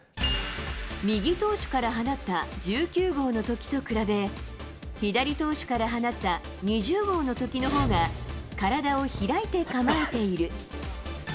右投手から放った１９号のときと比べ、左投手から放った２０号のときのほうが、体を開いて構えている。